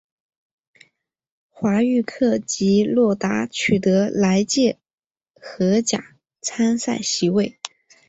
华域克及洛达取得来届荷甲参赛席位。